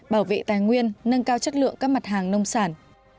bảo vệ tài nguyên nâng cao chất lượng các mặt hàng nông sản